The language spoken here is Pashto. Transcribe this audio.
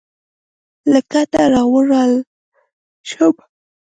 له کټه راولاړ شوم.